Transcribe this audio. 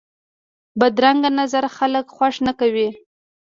بدرنګه نظر خلک خوښ نه کوي